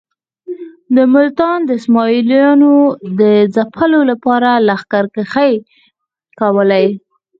د ملتان د اسماعیلیانو د ځپلو لپاره لښکرکښۍ کولې.